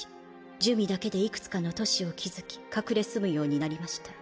珠魅だけでいくつかの都市を築き隠れ住むようになりました。